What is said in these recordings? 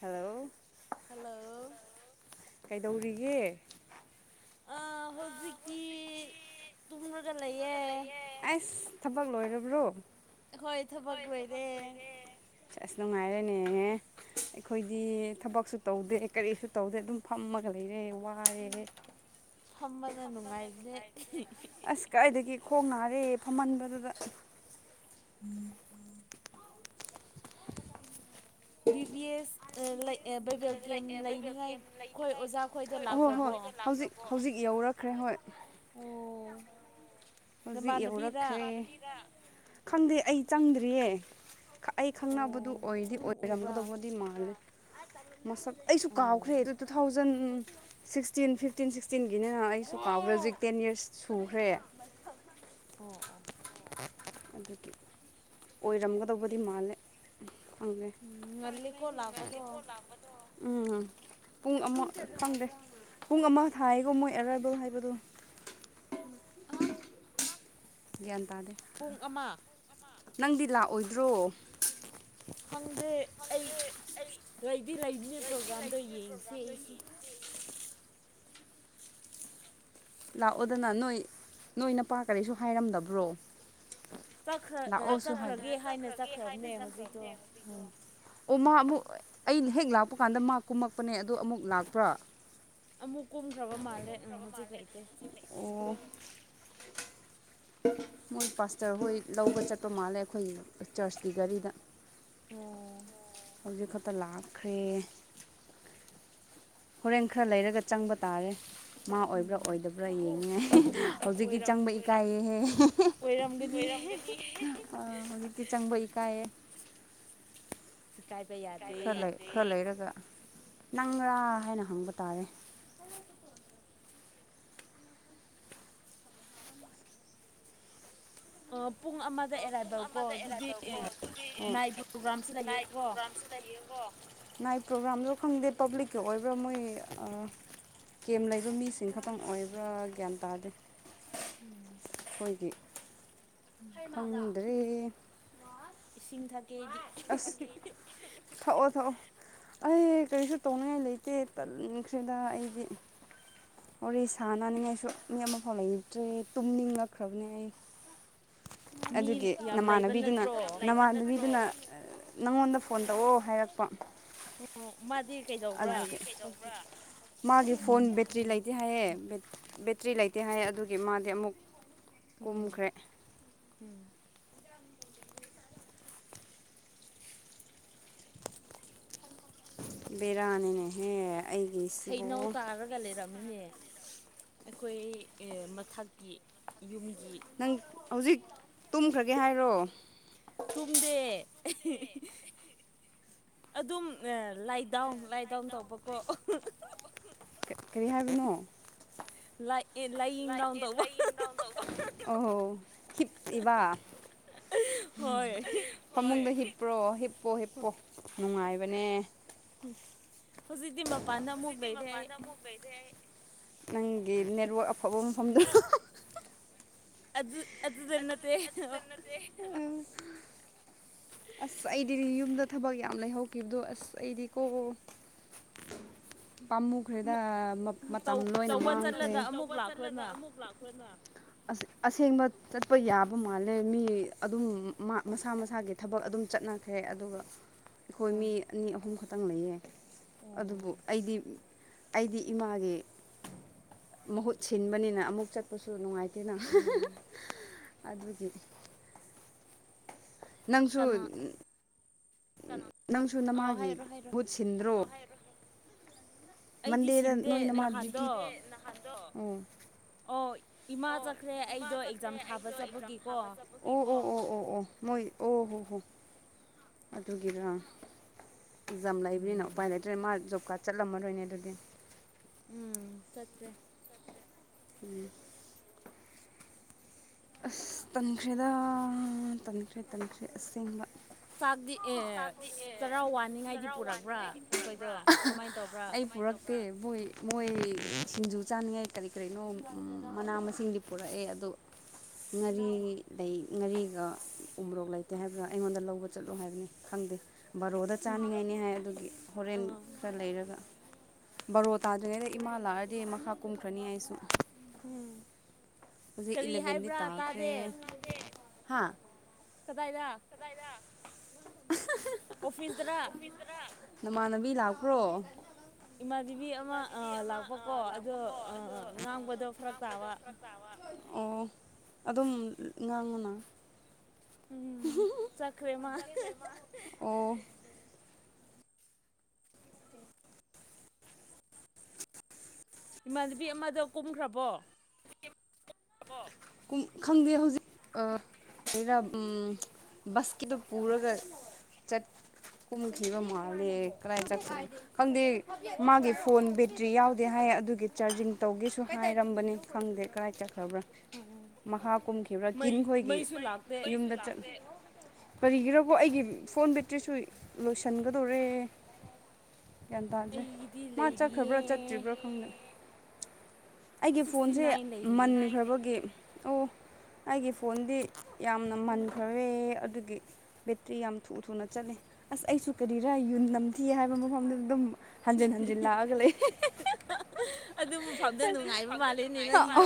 Hello [unintelligible] hello [unintelligible] ꯌꯦ [unintelligible] ꯑ ꯍꯧꯖꯤꯛꯀꯤ ꯇꯨꯡ [unintelligible] ꯑꯣꯏꯔ ꯂꯌꯦꯦ ꯑꯁ ꯊꯕꯛ ꯂꯣꯏꯔꯕ꯭ꯔꯣ ꯍꯣꯏ ꯊꯕꯛ ꯂꯣꯏꯔꯦ ꯑꯁ ꯅꯨꯡꯉꯥꯏꯔꯦꯅꯦꯍ ꯑꯩꯈꯣꯏꯗꯤ ꯊꯕꯛꯁꯨ ꯇꯧꯗꯦ ꯀꯔꯤꯁꯨ ꯇꯧꯗꯦ ꯑꯗꯨꯝ ꯐꯝꯃꯒ ꯂꯩꯔꯦꯡꯉ ꯐꯝꯕꯅ ꯅꯨꯡꯉꯥꯏꯗꯦ ꯑꯁ ꯀꯥꯏꯗꯒꯤ ꯈꯣꯡ ꯅꯥꯔꯦ ꯐꯝꯍꯟꯕꯗꯨꯗ ꯎꯝ ꯎ ꯕꯤꯕꯤ ꯑꯦꯁ ꯂꯩ ꯑꯦꯩꯕ ꯂꯩꯅꯤꯡꯉꯥꯏ ꯍꯣꯏ ꯍꯣꯏ ꯂꯥꯛꯈ꯭ꯔꯕꯣ ꯍꯧꯖꯤ ꯍꯧꯖꯤꯛ ꯌꯧꯔꯛꯈ꯭ꯔꯦ ꯍꯣꯏ ꯑꯣ ꯍꯧꯖꯤꯛ ꯅꯃꯥꯟꯅꯕꯤꯔꯥ ꯌꯧꯔꯛꯈ꯭ꯔꯦ ꯈꯪꯗꯦ ꯑꯩ ꯆꯪꯗ꯭ꯔꯤꯌꯦ ꯑꯩ ꯈꯪꯅꯕꯗꯨ ꯑꯣ ꯑꯣꯏꯗꯤ ꯑꯗꯨꯝ ꯎꯕ꯭ꯔꯥ ꯑꯣꯏꯔꯝꯒꯗꯧꯕꯗꯤ ꯃꯥꯜꯂꯦ ꯃꯁꯛ ꯑꯩꯁꯨ ꯀꯥꯎꯈ꯭ꯔꯦ ꯑꯣ ꯑꯗꯨ ꯇꯨ ꯊꯥꯎꯖꯟ ꯁꯤꯛꯁꯇꯤꯟ ꯐꯤꯐꯇꯤꯟ ꯁꯤꯛꯁꯇꯤꯟꯒꯤꯅꯤꯅ ꯑꯩꯁꯨ ꯀꯥꯎꯈ꯭ꯔꯦ ꯍꯧꯖꯤꯛ ꯇꯦꯟ ꯌꯔꯁ ꯁꯨꯈ꯭ꯔꯦ ꯃ ꯑꯣ ꯑꯣ ꯑꯗꯨꯗꯤ ꯑꯣꯏꯔꯝꯒꯗꯧꯕꯗꯤ ꯃꯥꯜꯂꯦ ꯍꯧ ꯎꯝ ꯉꯜꯂꯦꯀꯣ ꯂꯥꯛꯄꯗꯣ ꯎꯝ ꯄꯨꯡ ꯑꯃ ꯐꯪꯗꯦ ꯄꯨꯡ ꯑꯃ ꯊꯥꯏꯌꯦꯀꯣ ꯃꯣꯏ ꯑꯦꯔꯥꯏꯕꯦꯜ ꯍꯥꯏꯕꯗꯣ ꯎ ꯑ ꯒ꯭ꯌꯥꯟ ꯇꯔꯦ ꯄꯨꯡ ꯑꯃ ꯅꯪꯗꯤ ꯂꯥꯛꯑꯣꯏꯗ꯭ꯔꯣ ꯈꯪꯗꯦ ꯑꯩ ꯂꯩꯗꯤ ꯂꯩꯕꯅꯦ ꯄ꯭ꯔꯣꯒꯥ꯭ꯔꯥꯝꯗꯣ ꯌꯦꯡꯁꯦ ꯑꯩꯁꯨ ꯂꯥꯛꯑꯣꯗꯅ ꯅꯣꯏ ꯅꯣꯏꯅ ꯄꯥ ꯀꯔꯤꯁꯨ ꯍꯥꯏꯔꯝꯗꯕ꯭ꯔꯣ ꯈ ꯂꯥꯛꯑꯣꯁꯨ ꯍꯥꯏꯕ ꯆꯠꯈ꯭ꯔꯒꯦ ꯍꯥꯏꯅ ꯆꯠꯈ꯭ꯔꯕꯅꯦ ꯍꯧꯖꯤꯛꯇꯣ ꯑꯣ ꯃꯥ ꯑꯃꯨꯛ ꯑꯩ ꯍꯦꯛ ꯂꯥꯛꯄ ꯀꯥꯟꯗ ꯃꯥ ꯀꯨꯝꯃꯛꯄꯅꯦ ꯑꯗ ꯑꯃꯨꯛ ꯂꯥꯛꯄ꯭ꯔꯥ ꯑꯃꯨꯛ ꯀꯨꯝꯈ꯭ꯔꯕ ꯃꯥꯜꯂꯦ ꯍꯧꯖꯤꯛ ꯂꯩꯇꯩ ꯑꯣ ꯃꯣꯏ ꯄꯥꯁꯇꯔ ꯍꯣꯏ ꯂꯧꯕ ꯆꯠꯄ ꯃꯥꯜꯂꯦ ꯑꯩꯈꯣꯏ ꯆꯔꯆꯀꯤ ꯒꯥꯔꯤꯗ ꯑꯣꯏꯔꯝ ꯍꯧꯖꯤꯛ ꯈꯛꯇ ꯂꯥꯛꯈ꯭ꯔꯦ ꯍꯣꯔꯦꯟ ꯈꯔ ꯂꯩꯔꯒ ꯆꯪꯕ ꯇꯥꯔꯦ ꯃꯥ ꯑꯣꯏꯕ꯭ꯔꯥ ꯑꯣꯏꯗꯕ꯭ꯔꯥ ꯌꯦꯡꯉꯤꯦ ꯍꯧꯖꯤꯛꯀꯤ ꯆꯪꯕ ꯏꯀꯥꯏꯌꯦꯍꯦ ꯑꯣꯏꯔꯝꯒꯅꯤ ꯍꯧꯖꯤꯛꯀꯤ ꯆꯪꯕ ꯏꯀꯥꯏꯌꯦꯦ ꯏꯀꯥꯏꯕ ꯌꯥꯗꯦ ꯈ ꯈꯔ ꯂꯩꯔꯒ ꯅꯪꯔꯥ ꯍꯥꯏꯅ ꯍꯪꯕ ꯇꯥꯔꯦ ꯑꯥꯞ ꯄꯨꯡ ꯑꯃꯗ ꯑꯦꯔꯥꯏꯕꯦꯜꯀꯣ ꯑꯗꯨꯗꯤ ꯅꯥꯏꯠ ꯄ꯭ꯔꯣꯒ꯭ꯔꯥꯝꯁꯨ ꯂꯩꯌꯦꯀꯣ ꯅꯥꯏꯠ ꯄ꯭ꯔꯣꯒ꯭ꯔꯥꯝꯗꯣ ꯈꯪꯗꯦ ꯄꯕ꯭ꯂꯤꯛꯀꯤ ꯑꯣꯏꯕ꯭ꯔꯥ ꯃꯣꯏ ꯑ ꯀꯦꯝ ꯂꯩꯕ ꯃꯤꯁꯤꯡ ꯈꯛꯇꯪ ꯑꯣꯏꯕ꯭ꯔꯥ ꯒ꯭ꯌꯥꯟ ꯇꯥꯗꯦ ꯑꯩꯈꯒꯤ ꯑꯥ ꯂꯣꯏꯔꯦ ꯏꯁꯤꯡ ꯊꯛꯒꯦ ꯑꯩꯗꯤ ꯑꯁ ꯊꯥꯛꯑꯣ ꯊꯥꯛꯑꯣ ꯑꯩ ꯀꯔꯤꯁꯨ ꯇꯧꯅꯤꯡꯉꯥꯏ ꯂꯩꯇꯦ ꯇꯟꯈ꯭ꯔꯦꯗ ꯑꯩꯗꯤ ꯍꯣꯔꯦ ꯁꯥ ꯅꯥꯅꯤꯡꯉꯥꯏꯁꯨ ꯃꯤ ꯑꯃꯐꯥꯎ ꯂꯩꯇ꯭ꯔꯦ ꯇꯨꯝꯅꯤꯡꯉꯛꯈ꯭ꯔꯕꯅꯦ ꯑꯩ ꯃꯤ ꯑꯗꯨꯒꯤ ꯌꯥꯝ ꯂꯩꯕ ꯅꯃꯥꯟꯅꯕꯤꯗꯨꯅ ꯅꯠꯇ꯭ꯔꯣ ꯅꯃꯥꯟꯅꯕꯤꯗꯨꯅ ꯅꯪꯉꯣꯟꯗ ꯐꯣꯟ ꯇꯧꯑꯣ ꯍꯥꯏꯔꯛꯄ ꯎꯝ ꯃꯗꯤ ꯀꯩꯗꯧꯕ꯭ꯔꯥ ꯑꯗꯨꯒꯤ ꯍꯧꯛꯇꯤ ꯃꯥꯒꯤ ꯐꯣꯟ ꯕꯦꯇ꯭ꯔꯤ ꯂꯩꯇꯦ ꯍꯥꯏꯌꯦ ꯕꯦꯇ꯭ꯔꯤ ꯂꯩꯇꯦ ꯍꯥꯏꯑꯦ ꯑꯗꯨꯒꯤ ꯃꯥꯗꯤ ꯑꯃꯨꯛ ꯎꯝ ꯀꯨꯝꯈ꯭ꯔꯦ ꯔꯅꯤꯅꯦꯍꯦ ꯍꯩꯅꯧ ꯇꯥꯔꯒ ꯂꯩꯔꯝꯃꯤꯅꯦ ꯑꯩꯈꯣꯏ ꯃꯊꯛꯀꯤ ꯌꯨꯝꯒꯤ ꯅꯪ ꯍꯧꯖꯤꯛ ꯇꯨꯝꯈ꯭ꯔꯒꯦ ꯍꯥꯏꯔꯣ ꯇꯨꯝꯗꯦ ꯑꯗꯨꯝ ꯂꯥꯏꯗꯥꯎꯟ ꯂꯥꯏꯗꯥꯎꯟ ꯇꯧꯕꯀꯣ ꯀꯔꯤ ꯍꯥꯏꯕꯅꯣ ꯂꯥꯏ ꯑꯦ, ꯂꯥꯏꯌꯤꯡ ꯗꯥꯎꯟ ꯇꯧꯕ [inaudible] ꯍꯤꯞ ꯏꯕ ꯍꯣꯏ ꯐꯃꯨꯡꯗ ꯍꯤꯞ ꯄꯨ꯭ꯔꯣꯍꯤꯞ ꯍꯤꯞꯄꯣ ꯍꯤꯞꯄꯣ ꯅꯨꯡꯉꯥꯏ ꯃꯕꯅꯦ ꯎꯝ ꯍꯧꯖꯤꯛꯇꯤ ꯃꯄꯥꯟꯗ ꯑꯃꯨꯛ ꯂꯩꯔꯦ ꯑꯩ ꯅꯪꯒꯤ ꯅꯦꯠꯋꯥꯛ ꯑꯐꯕ ꯃꯐꯝꯗ ꯑꯗꯨ ꯑꯗꯨꯗ ꯅꯠꯇꯦ ꯑ [unintelligible] ꯑꯁ ꯑꯩꯗꯤꯗꯤ ꯌꯨꯝꯗ ꯊꯕꯛ ꯌꯥꯝ ꯂꯩꯍꯧꯈꯤꯕꯗꯣ ꯑꯁ ꯑꯩꯗꯤ ꯀꯣ ꯄꯥꯝꯃꯨꯈ꯭ꯔꯦꯗ ꯑꯃꯨꯛ ꯃꯇꯝ ꯇꯧ ꯂꯣꯏꯅ ꯇꯧꯕ ꯃꯥꯡꯈ꯭ꯔꯦ ꯆꯠꯂꯒ [inaudible] ꯑꯃꯨꯛ ꯂꯥꯛꯈ꯭ꯔꯣꯅ ꯑꯁꯦꯡꯕ ꯆꯠꯄ ꯌꯥꯕ ꯃꯥꯜꯂꯦ ꯃꯤ ꯑꯗꯨꯝ ꯃꯁꯥ ꯃꯁꯥꯒꯤ ꯊꯕꯛ ꯑꯗꯨꯝ ꯆꯠꯅꯈ꯭ꯔꯦ ꯑꯗꯨꯒ ꯑꯩꯈꯣꯏ ꯎꯝ ꯃꯤ ꯑꯅꯤ ꯑꯍꯨꯝ ꯈꯨꯗꯤ ꯇꯪ ꯂꯩꯌꯦ꯫ ꯑꯣ ꯑꯗꯨꯕꯨ ꯑꯩꯗꯤ꯫ ꯑꯩꯗꯤ ꯏꯃꯥꯒꯤ ꯃꯍꯨꯠ ꯁꯤꯟꯕꯅꯤꯅ ꯑꯃꯨꯛ ꯆꯠꯄꯁꯨ ꯅꯨꯡꯉꯥꯏ ꯇꯦꯅ꯫ ꯎꯝ ꯑꯗꯨꯒꯤ꯫ ꯅꯪꯁꯨ꯫ ꯀꯅꯥ [unintelligible] ꯅꯪꯁꯨ ꯑꯣ ꯅꯃꯥꯒꯤ ꯍꯥꯏꯔꯣ ꯍꯥꯏꯔꯣ ꯃꯍꯨꯠ ꯁꯤꯟꯗ꯭ꯔꯣ꯫ ꯑꯩꯗꯤ ꯃꯟꯗꯦꯗ ꯁꯤꯟꯗꯦ ꯅꯣꯏ ꯅꯃꯥꯥ ꯗꯤꯎꯇꯤ ꯅꯍꯥꯟꯗꯣ [unintelligible] ꯁꯤꯟꯗꯦ ꯅꯍꯥꯟꯗꯣ ꯎꯝ ꯑꯣ ꯏꯃꯥ ꯆꯠꯈ꯭ꯔꯦ ꯑꯩꯗꯣ ꯑꯦꯛꯖꯥꯝ ꯊꯥꯕ ꯆꯠꯄꯒꯤꯀꯣ꯫ ꯑꯣ ꯑꯣ ꯑꯣ ꯑꯣ ꯃꯣꯏ ꯑꯣ ꯍꯣ ꯍꯣ ꯑꯗꯨꯒꯤꯔꯥ ꯑꯦꯛꯖꯥꯝ ꯂꯩꯕꯅꯤꯅ ꯎꯝ ꯎꯄꯥꯏ ꯂꯩꯇ꯭ꯔꯦ ꯃꯥ ꯖꯣꯕ ꯀꯥꯔꯗ ꯆꯠꯂꯝꯃꯔꯣꯏꯅꯦ ꯑꯗꯨꯗꯤ꯫ ꯎꯝ ꯆꯠꯇ꯭ꯔꯦ꯫ ꯎꯝ꯫ ꯑꯁ ꯇꯟꯈ꯭ꯔꯦꯗ ꯇꯟꯈ꯭ꯔꯦ ꯇꯟꯈ꯭ꯔꯦ ꯑꯁꯦꯡꯕ꯫ ꯐꯥꯞꯗꯤ꯫ ꯆꯥꯛꯇꯤ ꯑꯦ ꯆꯔꯥ ꯋꯥꯅꯤꯡꯉꯥꯏꯗꯤ ꯄꯨꯔꯛꯄ꯭ꯔꯥ [unintelligible] ꯀꯃꯥꯏꯅ ꯇꯧꯕ꯭ꯔꯥ ꯑꯩ ꯄꯨꯔꯛꯇꯦ ꯃꯣꯏ ꯃꯣꯏ꯫ ꯁꯤꯡꯖꯨ ꯆꯥꯅꯤꯡꯉꯥꯏ ꯀꯔꯤ ꯀꯔꯤꯅꯣ ꯃꯅꯥ ꯃꯁꯤꯡꯗꯤ ꯄꯨꯔꯛꯑꯦ ꯑꯗꯨ ꯉꯔꯤ ꯂꯩ ꯉꯔꯤꯒ ꯎꯔꯣꯛ ꯂꯩꯇꯦ ꯍꯥꯏꯕ꯭ꯔꯥ ꯑꯩꯉꯣꯟꯗ ꯂꯧꯕ ꯆꯠꯂꯣ ꯍꯥꯏꯕꯅꯦ꯫ ꯈꯪꯗꯦ꯫ ꯕꯥꯔꯣꯗ ꯆꯥꯅꯤꯡꯉꯥꯏꯅꯦ ꯍꯥꯏ ꯑꯗꯨꯒꯤ ꯍꯣꯔꯦꯟ ꯑꯥ ꯈꯔ ꯂꯩꯔꯒ꯫ ꯕꯥꯔꯣ ꯇꯥꯗ꯭ꯔꯤꯉꯩꯗ ꯏꯃꯥ ꯂꯥꯛꯑꯗꯤ ꯃꯈꯥ ꯀꯨꯝꯈ꯭ꯔꯅꯤ ꯑꯩꯁꯨ꯫ ꯎꯝ꯫ ꯍꯨꯖꯤꯛ ꯀꯔꯤ ꯏꯂꯕꯦꯟꯗꯤ ꯍꯥꯏꯕ꯭ꯔꯥ ꯇꯥꯈ꯭ꯔꯦ꯫ ꯇꯥꯗꯦ ꯍꯥꯥ꯫ ꯀꯗꯥꯏꯗ꯫ ꯑꯣꯐꯤꯁꯇꯔꯥ ꯅꯃꯥꯟꯅꯕꯤ ꯂꯥꯛꯄ꯭ꯔꯣ꯫ ꯏꯃꯥꯙꯤꯕꯤ ꯑꯃ ꯑ ꯂꯥꯛꯄꯀꯣ ꯑꯗꯣ ꯑ ꯑ ꯉꯥꯡꯕꯗꯣ ꯐꯔꯛ ꯇꯥꯕ꯫ ꯑꯣ ꯑꯗꯨꯝ ꯉꯥꯡꯉꯨꯅ꯫ ꯎꯝ ꯆꯈ꯭ꯔꯦ ꯃꯥ꯫ ꯑꯣ ꯏꯃꯥꯟꯙꯕꯤ ꯑꯃꯗꯣ ꯀꯨꯝꯈ꯭ꯔꯕꯣ꯫ ꯀꯨꯝ ꯈꯪꯗꯦ ꯍꯧꯖꯤꯛ ꯑ [unintelligible] ꯎꯝ ꯕꯥꯁꯀꯤꯗꯣ ꯄꯨꯔꯒ ꯆꯠ ꯀꯨꯝꯈꯤꯕ ꯃꯥꯜꯂꯦ ꯀꯗꯥꯏ ꯆꯠ [unintelligible] ꯈꯪꯗꯦ ꯃꯥꯒꯤ꯫ ꯐꯣꯟ ꯕꯦꯇ꯭ꯔꯤ ꯌꯥꯎꯗꯦ ꯍꯥꯏ ꯑꯗꯨ꯫ ꯒꯤ ꯆꯥꯔꯖꯤꯡ ꯇꯧꯒꯦꯁꯨ ꯍꯥꯏꯔꯝꯕꯅꯤ ꯈꯪꯗꯦ ꯀꯗꯥꯥꯏ ꯆꯠ ꯈꯕ꯭ꯔ꯫ ꯃꯈꯥ ꯀꯨꯝꯈꯤꯕ꯭ꯔꯥ ꯀꯤꯟ ꯈꯣꯏꯒꯤ ꯃꯩ ꯃꯩꯁꯨ ꯂꯥꯛꯇꯦ ꯌꯨꯝꯗ ꯆꯠ ꯀꯔꯤꯒꯤꯔꯕꯣ ꯑꯩꯒꯤ ꯐꯣꯟ ꯕꯦꯠꯇ꯭ꯔꯤꯁꯨ ꯂꯣꯏꯁꯟꯒꯗꯣꯔꯦ꯫ ꯒ꯭ꯌꯥꯟ ꯇꯥꯗ꯭ꯔꯦ ꯑꯩꯒꯤꯗꯤ ꯃꯥ ꯂꯩꯔꯤꯌꯦ ꯆꯠꯈ꯭ꯔꯕ꯭ꯔ ꯆꯠꯇ꯭ꯔꯤꯕ꯭ꯔ ꯈꯪꯗꯦ꯫ ꯑꯩꯒꯤ ꯁꯤꯛꯁꯇꯤ ꯐꯣꯟꯁꯦ ꯅꯥꯏꯟ ꯃꯟ ꯂꯩꯔꯤꯌꯦ ꯑꯣ ꯑꯩꯒꯤ ꯐꯣꯟꯗꯤ ꯌꯥꯝꯅ ꯃꯟꯈꯔꯦ ꯑꯗꯨꯒꯤ ꯕꯦꯇ꯭ꯔꯤ ꯌꯥꯝ ꯊꯨ ꯊꯨꯅ ꯆꯠꯂꯦ ꯑꯁ ꯑꯩꯁꯨ ꯀꯔꯤꯔꯥ ꯌꯨꯟ ꯅꯝꯊꯤ ꯍꯥꯏꯕ ꯃꯐꯝꯗꯨꯗ ꯑꯗꯨꯝ ꯍꯪꯖꯤ ꯍꯪꯖꯤ ꯂꯥꯒ ꯂꯩ ꯑꯗꯨ ꯃꯐꯝꯗ ꯅꯨꯡꯉꯥꯏꯕ ꯃꯥꯜꯂꯦꯅꯦ ꯅꯪꯒꯤꯗꯣ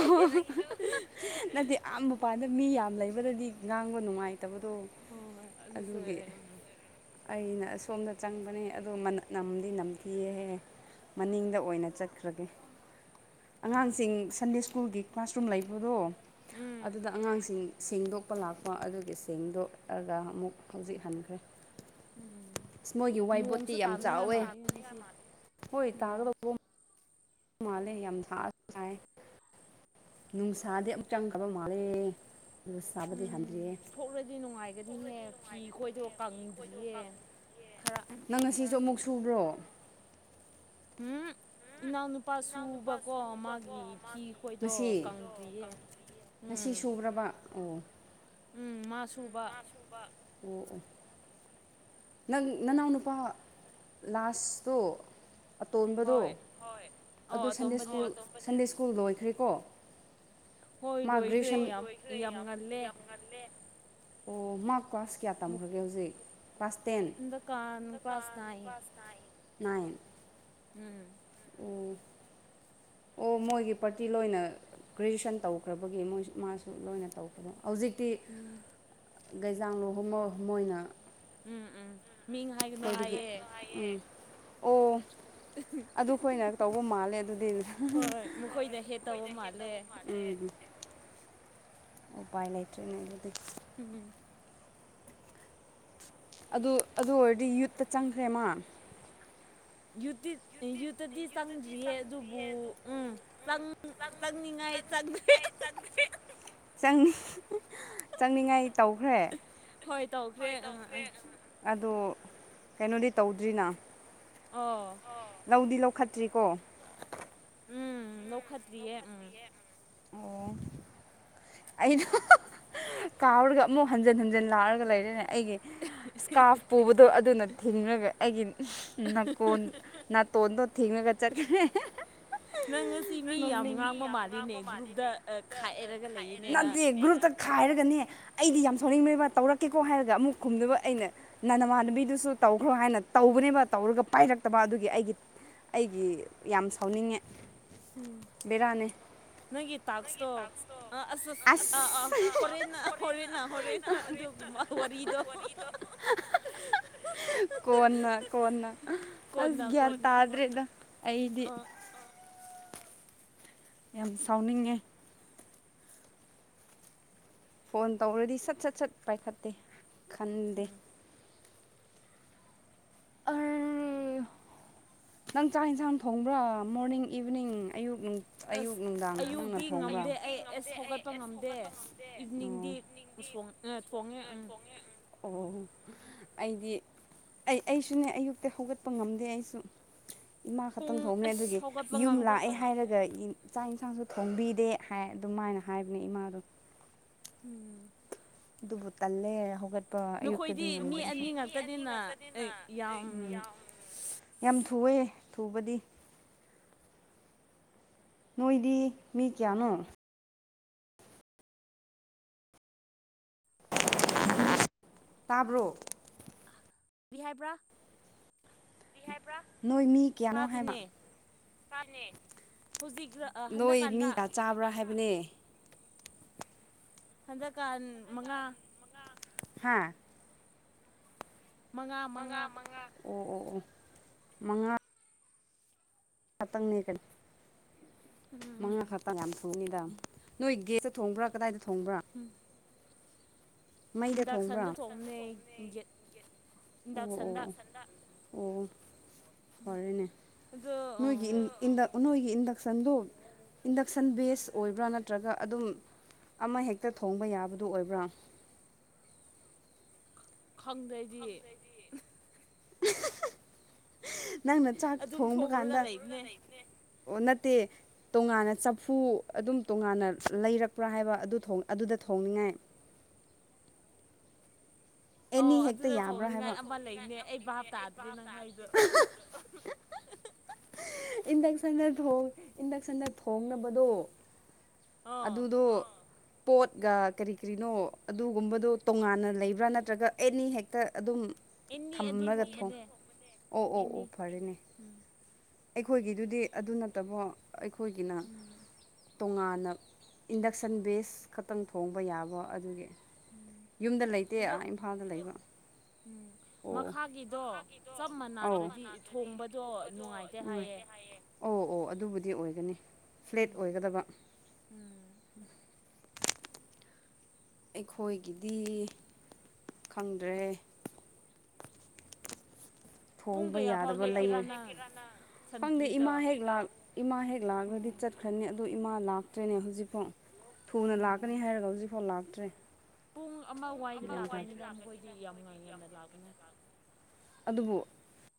ꯅꯠꯇꯦ ꯑꯥ ꯃꯄꯥꯟꯗ ꯃꯤ ꯌꯥꯝ ꯂꯩꯕꯗꯗꯤ ꯉꯥꯡꯕ ꯅꯨꯡꯉꯥꯏ ꯂꯩꯇꯕꯗꯣ ꯍꯣꯏ ꯍꯣꯏ ꯑꯗꯨꯁꯨ ꯑꯗꯨꯒꯤ ꯑꯩꯅ ꯑꯁꯣꯝꯗ ꯆꯪꯕꯅꯦ ꯑꯗꯣ ꯅꯝꯗꯤ ꯅꯝꯊꯤꯍꯍꯦꯦ ꯃꯅꯤꯡꯗ ꯑꯣꯏꯅ ꯆꯠꯈ꯭ꯔꯒꯦ ꯑꯉꯥꯡꯁꯤꯡ ꯁꯟꯗꯦ ꯁ꯭ꯀꯨꯜꯒꯤ ꯀ꯭ꯂꯥꯁꯔꯨꯝ ꯂꯩꯕꯗꯣ ꯎꯝ ꯑꯗꯨꯗ ꯑꯉꯥꯡꯁꯤꯡ ꯁꯦꯡꯗꯣꯛꯄ ꯂꯥꯛꯄ ꯑꯗꯨꯒꯤ ꯁꯦꯡꯗꯣꯛꯑꯒ ꯑꯃꯨꯛ ꯍꯧꯖꯤꯛ ꯍꯟꯈ꯭ꯔꯦ ꯑꯁ ꯃꯣꯏꯒꯤ ꯅꯣꯡꯁꯨ ꯋꯥꯏꯕꯣꯠꯇꯤ ꯌꯥꯝ ꯇꯥꯅꯤꯡꯉꯥꯏ ꯆꯥꯎꯋꯦ ꯃꯥꯜꯂꯤ ꯉꯁꯤ ꯍꯣꯏ ꯎꯝ ꯇꯥꯒꯗꯧꯕ ꯃꯥꯂꯦ ꯌꯥꯝ ꯊꯥ ꯊ ꯅꯨꯡꯁꯥꯗꯤ ꯑꯃꯨꯛ ꯆꯪꯈꯕ ꯃꯥꯜꯂꯦ ꯑꯗꯨ ꯁꯥꯕꯗꯤ ꯎꯝ ꯍꯟꯗ꯭ꯔꯤꯌꯦ ꯊꯣꯛꯂꯗꯤ ꯅꯨꯡꯉꯥꯏꯒꯅꯤꯍꯦ ꯐꯤ ꯈꯣꯏꯗꯣ ꯀꯪꯗ꯭ꯔꯤꯌꯦ ꯈꯔ ꯅꯪ ꯉꯁꯤꯁꯨ ꯑꯃꯨꯛ ꯁꯨꯕ꯭ꯔꯣ ꯎꯝ ꯏꯟꯅꯅ ꯎꯄꯥ ꯈꯣꯏꯗꯣ ꯉꯁꯤ ꯀꯪꯗ꯭ꯔꯤꯌꯦ ꯉꯁꯤ ꯎꯝ ꯁꯨꯕ꯭ꯔꯕ ꯑꯣ ꯎꯝ ꯃꯥꯁ ꯎꯝ ꯃꯥ ꯁꯣꯡꯕ ꯑꯣ ꯑꯣ ꯅꯪ ꯅꯅꯥꯎ ꯅꯨꯄꯥ ꯂꯥꯁꯇꯣ ꯑꯇꯣꯟꯕꯗꯣ ꯍꯣꯏ ꯑꯧ ꯑꯗꯨꯟꯗꯦꯨꯟꯗꯦ ꯑꯇꯣꯝꯕꯅꯦ ꯁꯀꯨꯜꯗ ꯐꯀꯣ ꯍꯣꯏ ꯃꯥꯒ꯭ꯟꯦ ꯂꯣꯏꯈ꯭ꯔꯦ ꯌꯥꯝ ꯌꯥꯝ ꯉꯜꯂꯦ ꯑꯣ ꯃꯥ ꯀꯥꯁ ꯀꯌꯥ ꯃꯨꯛ ꯇꯝꯈ꯭ꯔꯒꯦ ꯍꯧꯖꯤꯛ ꯄꯥꯁꯗꯨ ꯍꯟꯗꯛꯀꯥꯟ ꯀ꯭ꯂꯥꯁ ꯅꯥꯏꯟ ꯅꯥꯏꯟ ꯎꯝ ꯎꯝ ꯑꯣ ꯃꯣꯏꯒꯤ ꯄꯥꯔꯇꯤ ꯂꯣꯏꯅ ꯒ꯭ꯔꯦꯖꯨꯑꯦꯁꯟ ꯇꯧꯈ꯭ꯔꯕꯒꯤ ꯃꯣꯏ ꯃꯥꯁꯨ ꯂꯣꯏꯅ ꯇꯧꯗ ꯍꯧꯖꯤꯛꯇꯤ ꯎꯝ ꯒꯩꯖꯥꯡꯂ ꯃꯣꯏꯅ ꯎꯝ ꯎꯝ ꯃꯤꯡ ꯍꯥꯏꯒꯅꯣ ꯑꯩꯈꯣꯏꯗꯒꯤ ꯍꯥꯏꯌꯦ ꯎꯝ ꯑꯣ ꯑꯗꯨ ꯑꯩꯈꯣꯏꯅ ꯇꯧꯕ ꯃꯥꯜꯂꯦ ꯑꯗꯨꯗꯤ ꯎꯝ ꯍꯣꯏ ꯃꯈꯣꯏꯅ ꯍꯦꯠ ꯇꯧꯕ ꯃꯥꯜꯂꯦ ꯎꯄꯥꯏ ꯂꯩꯇ꯭ꯔꯔꯤꯅꯦ ꯗꯨꯗꯤ ꯎꯝ ꯑꯗꯨ ꯑꯗꯨ ꯑꯣꯏꯔꯗꯤ ꯌꯨꯠꯇ ꯆꯪꯈ꯭ꯔꯦ ꯃꯥ ꯌꯨꯠꯇꯗꯤ ꯆꯪꯗ꯭ꯔꯤꯌꯦ ꯑꯗꯨꯕꯨ ꯎꯝ ꯆꯪꯅꯤꯡꯉꯥꯏ ꯆꯪꯗ꯭ꯔꯦ ꯆꯪꯅꯤ ꯆꯪꯅꯤꯡꯉꯥꯏ ꯇꯧꯈ꯭ꯔꯦ ꯍꯣꯏ ꯇꯧꯈ꯭ꯔꯦ ꯑꯥ ꯑꯥ ꯑꯗꯣ ꯀꯩꯅꯣꯗꯤ ꯇꯧꯗ꯭ꯔꯤꯅ ꯑꯣ ꯂꯧꯗꯤ ꯂꯧ ꯐꯠꯇ꯭ꯔꯤꯀꯣ ꯎꯝ ꯂꯧꯈꯠꯇ꯭ꯔꯤꯌꯦ ꯎꯝ ꯑꯣ ꯑꯩꯩꯅ ꯀꯥꯎꯔꯒ ꯑꯃꯨꯛ ꯍꯟꯖꯤꯟ ꯍꯟꯖꯤꯟ ꯂꯥꯎꯔꯒ ꯂꯩꯔꯦꯅꯦ ꯑꯩꯒꯤ ꯏꯁꯀꯥꯔꯞ ꯄꯨꯕꯗꯣ ꯑꯗꯨꯅ ꯊꯤꯡꯉꯒ ꯑꯩꯒꯤ ꯅꯥꯇꯣꯟ ꯇ ꯊꯦꯡꯉꯒ ꯆꯠꯈ꯭ꯔꯦ ꯅꯪ ꯅꯪ ꯃꯤ ꯌꯥꯝ ꯉꯥꯡꯕ ꯃꯥꯜꯂꯦ ꯎꯕꯗ ꯈꯥꯏꯑꯦꯔꯒ ꯂꯩꯔꯤꯅꯦꯅ ꯒ꯭ꯔꯨꯞꯇ ꯈꯥꯏꯔꯒꯅꯦ ꯑꯩꯗꯤ ꯌꯥꯝ ꯁꯥꯎꯅꯤꯡꯕꯅꯦꯕ ꯇꯧꯔꯛꯀꯦꯀꯣ ꯍꯥꯏꯔꯒ ꯑꯃꯨꯛ ꯈꯨꯝꯗꯨꯕ ꯑꯩꯅ ꯅꯅꯃꯥꯟꯅꯕꯤꯗꯨꯁꯨ ꯇꯧꯈ꯭ꯔꯣ ꯍꯥꯏꯅ ꯇꯧꯕꯅꯦꯕ ꯇꯧꯔꯒ ꯄꯥꯏꯔꯛꯇꯕ ꯑꯗꯨꯒꯤ ꯑꯩꯒꯤ ꯑꯩꯒꯤ ꯌꯥꯝ ꯁꯥꯎꯅꯤꯡꯉꯦ ꯕꯤꯔꯅꯦ ꯅꯪꯒꯤ ꯇꯥꯛꯁꯇꯣ ꯑꯥ ꯑꯁ ꯑꯁ ꯑ ꯑꯥ ꯑꯥ ꯍꯣꯔꯦꯟꯅ ꯍꯣꯔꯦꯟꯅ ꯍꯣꯔꯦꯟꯅ ꯑꯗꯨꯒꯨꯝꯕ ꯋꯥꯔꯤꯗꯣ ꯀꯅ ꯀꯅ ꯀꯣꯟꯅ ꯑꯁ ꯭ꯟ ꯀꯣꯟꯅ ꯇꯥꯗꯔꯦꯗ ꯑꯩꯗꯤ ꯑꯥ ꯌꯥꯝ ꯁꯥꯎꯅꯤꯉꯦ ꯐꯣꯟ ꯇꯧꯔꯗꯤ ꯁꯠ ꯁꯠ ꯁꯠ ꯄꯥꯏꯈꯠꯇꯦ ꯈꯟꯗꯦ ꯎꯝ ꯑ ꯅꯪ ꯆꯥꯛ ꯌꯦꯟꯁꯥꯡ ꯊꯣꯡꯕ꯭ꯔꯥ ꯃꯣꯔꯅꯤꯡ ꯏꯚꯤꯅꯤꯡ ꯑꯌꯨꯛ ꯑꯁ ꯑꯌꯨꯛ ꯅꯨꯡꯗꯥꯡ ꯅꯪꯅ ꯑꯌꯨꯛꯇꯛꯇꯤ ꯊꯣꯡꯕ꯭ꯔꯥ ꯉꯝꯗꯦ ꯑꯩ ꯑꯦꯁ ꯍꯧꯧꯒꯠꯄ ꯉꯝꯗꯦ ꯏꯚꯅꯤꯡꯗꯤ ꯁ ꯄꯣꯡꯉꯦ ꯎꯝ ꯑꯣ ꯑꯩꯗꯤ ꯑꯩ ꯑꯩꯁꯨꯅꯦ ꯑꯌꯨꯛꯇꯤ ꯍꯧꯒꯠꯄ ꯉꯝꯗꯦ ꯑꯩꯁꯨ ꯏꯃꯥ ꯈꯛꯇꯪ ꯄꯨꯡ ꯊꯣꯡꯉꯦ ꯑꯁ ꯑꯗꯨꯗꯒꯤ ꯍꯧꯒꯠꯄ ꯌꯨꯝ ꯉꯝꯗꯦ ꯂꯥꯛꯑꯦ ꯀꯩꯅꯣ ꯍꯥꯏꯔꯒ ꯆꯥꯛ ꯏꯟꯁꯥꯡꯁꯨ ꯊꯣꯡꯕꯤꯗꯦ ꯍꯥꯏ ꯑꯗꯨꯝꯃꯥꯏꯅ ꯍꯥꯏꯕꯅꯦ ꯏꯃꯥꯗꯣ ꯎꯝ ꯑꯗꯨꯕꯨ ꯇꯜꯂꯦ ꯍꯧꯒꯠ ꯑꯌꯨꯛꯇꯗꯤ ꯅꯈꯣꯏꯗꯤ ꯃꯤ ꯑꯅꯤ ꯉꯥꯛꯇꯅꯤꯅ ꯑꯩ ꯌꯥꯝ ꯌꯥꯝ ꯊꯨꯑꯦ ꯊꯨꯕꯗꯤ ꯅꯣꯏꯗꯤ ꯃꯤ ꯀꯌꯥꯅꯣ ꯇꯥꯕ꯭ꯔꯣ ꯕꯤ ꯌꯥꯝꯅꯥ ꯍꯥꯏꯕ꯭ꯔꯥ ꯅꯣꯏ ꯃꯤ ꯀꯌꯥꯅꯣ ꯍꯥꯏꯕ ꯇꯥꯗꯦꯅꯦ ꯆꯅꯤ ꯍꯧꯖꯤꯛ ꯅꯣꯏ ꯍꯟꯗꯛꯀꯥꯟꯗ ꯃꯤꯒ ꯆꯥꯕ꯭ꯔꯥ ꯍꯥꯏꯕ ꯃ꯭ꯂ ꯍꯟꯗꯛꯀꯥꯟ ꯃꯉꯥ ꯍꯥꯥ ꯃꯉꯥ ꯃꯉꯥ ꯑꯣ ꯑꯣ ꯑꯣ ꯃꯉꯥ ꯍꯥꯇꯪꯅꯦꯒꯟ ꯎꯝ ꯎꯝ ꯃꯉꯥ ꯈꯥꯇ ꯀ ꯗꯥ ꯅꯣꯏ ꯒꯦꯁꯇ ꯊꯣꯡꯕ꯭ꯔꯥ ꯀꯗꯥꯏꯗ ꯊꯣꯡꯕ꯭ꯔꯥ ꯎꯝ ꯃꯩꯗ ꯊꯣꯡꯕ꯭ꯔꯥ ꯏꯟꯗꯛꯁꯟꯗ ꯊꯣꯛꯣꯡꯑꯝꯅꯦ ꯌꯦꯖꯠ ꯑꯣ ꯑꯣ ꯑꯣ ꯑꯣ ꯐꯔꯦꯅꯦ ꯑꯗꯣ ꯅꯣꯏꯒꯤ ꯏ ꯏꯟ ꯅꯣꯏꯒꯤ ꯏꯟꯗ ꯗꯛꯁꯟꯗ ꯏꯟꯗꯛꯁꯟ ꯕꯦꯖ ꯑꯣꯏꯕ꯭ꯔꯥ ꯅꯠꯇ꯭ꯔꯒ ꯑꯗꯨꯝ ꯑꯃꯍꯦꯛꯇ ꯊꯣꯡꯕ ꯌꯥꯕꯗꯨ ꯑꯣꯏꯕ꯭ꯔꯥ ꯈꯪꯗ꯭ꯔꯩꯗꯤ ꯅꯪꯅ ꯆꯥꯛ ꯑꯗꯨꯝ ꯊꯣꯡꯕ ꯊꯣꯡꯔꯒ ꯀꯥꯟꯗ ꯂꯩꯕꯅꯦ ꯑꯣ ꯅꯠꯇꯦ ꯇꯣꯉꯥꯟꯅ ꯆꯐꯨ ꯑꯗꯨꯝ ꯇꯣꯉꯥꯟꯅ ꯂꯩꯔꯛꯄ꯭ꯔꯥ ꯍꯥꯏꯕ ꯑꯗꯨ ꯑꯗꯨꯗ ꯊꯣꯡꯅꯤꯡꯉꯥꯏ ꯑꯣ ꯑꯦꯅꯤ ꯍꯦꯛꯇ ꯑꯗꯨꯗ ꯌꯥꯕ꯭꯭ꯔꯥ ꯊꯣꯡꯅꯤꯡꯉꯥꯏ ꯍꯥꯏꯕ ꯑꯃ ꯂꯩꯅꯦ ꯑꯩ ꯚꯥꯞ ꯇꯥꯗ꯭ꯔꯦ ꯅꯍꯥꯏꯗꯣ ꯏꯟꯗꯛꯁꯟꯗ ꯏꯟꯗꯛꯁꯟꯗ ꯊꯣꯡꯅꯕꯗꯣ ꯑꯣ ꯑꯗꯨꯗꯣ ꯄꯣꯠꯒ ꯀꯔꯤ ꯀꯔꯤꯅꯣ ꯑꯗꯨꯒꯨꯝꯕꯗꯣ ꯇꯣꯉꯥꯟꯅ ꯂꯩꯕ꯭ꯔꯥ ꯅꯠꯇ ꯅꯠꯇ꯭ꯔꯒ ꯑꯦꯅꯤ ꯍꯦꯛꯇ ꯑꯗꯨꯝ ꯑꯦꯅꯤ ꯑꯗꯨꯝ ꯊꯝꯃꯒ ꯊꯣꯡ ꯊꯣꯡꯕꯅꯦ ꯑꯣ ꯑꯣ ꯑꯣ ꯑꯦꯅꯤ ꯐꯔꯦꯅꯦ ꯎꯝ ꯑꯩꯈꯣꯏꯒꯤꯗꯨꯗꯤ ꯑꯗꯨ ꯅꯠꯇꯕꯣ ꯑꯩꯈꯣꯏꯒꯤꯅ ꯎꯝ ꯇꯣꯉꯥꯟꯅ ꯏꯟꯗꯛꯁꯟ ꯕꯦꯁ ꯈꯛꯇꯪ ꯊꯣꯡꯕ ꯌꯥꯕ ꯑꯗꯨꯒꯤ ꯎꯝ ꯌꯨꯝꯗ ꯂꯩꯇꯦ ꯑꯗꯣ ꯏꯝꯐꯥꯜꯗ ꯂꯩꯕ ꯎꯝ ꯑꯣ ꯃꯈꯥꯒꯤꯗꯣ ꯆꯞ ꯃꯅꯗ꯭ꯔꯗꯤ ꯊꯣꯡꯕꯗꯣ ꯅꯨꯡꯉꯥꯏꯇꯦ ꯍꯥꯏꯌꯦꯦ ꯑꯣ ꯑꯣ ꯑꯗꯨꯕꯨꯗꯤ ꯑꯣꯏꯒꯅꯤ ꯐ꯭ꯂꯦꯠ ꯎꯝ ꯑꯣꯏꯒꯗꯕ ꯎꯝ ꯑꯩꯈꯣꯏꯒꯤꯗꯤ ꯈꯪꯗ꯭ꯔꯦ ꯄꯨꯡ ꯊꯣꯡꯕ ꯀꯌꯥꯐꯥꯎ ꯌꯥꯗꯕ ꯂꯩꯌꯦ ꯂꯦꯞꯀꯦꯔꯥ ꯅꯪ ꯈꯪꯗꯦ ꯁꯟꯇ꯭ꯔꯤꯗꯣ ꯏꯃꯥ ꯍꯦꯛ ꯏꯃꯥ ꯍꯦꯛ ꯂꯥꯛꯂꯗꯤ ꯎꯝ ꯆꯠꯈ꯭ꯔꯅꯤ ꯑꯗꯨ ꯏꯃꯥ ꯇ꯭ꯔꯦꯅꯦ ꯍꯧꯖꯤꯄꯣ ꯊꯨꯅ ꯎꯝ ꯂꯥꯛꯀꯅꯤ ꯍꯥꯏꯔꯒ ꯍꯧꯖꯤꯛꯐꯥꯎ ꯂꯥꯛꯇ꯭ꯔꯦ ꯄꯨꯡ ꯑꯃ ꯋꯥꯏꯗ ꯂꯥꯛꯀꯅꯤꯗ ꯃꯈꯣꯏꯗꯤ ꯌꯥꯝ ꯉꯟ ꯉꯟꯅ ꯂꯥꯛꯄꯅꯦ ꯑꯗꯨꯕꯨ